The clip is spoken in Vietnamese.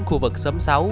khu vực xóm xáu